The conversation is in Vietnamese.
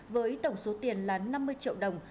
với tổng số tiền là năm mươi triệu đồng